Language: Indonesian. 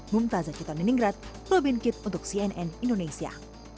mumtazah chiton niningrat robin kitt untuk cnn indonesia